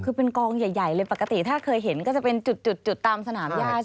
คือเป็นกองใหญ่เลยปกติถ้าเคยเห็นก็จะเป็นจุดตามสนามญาติ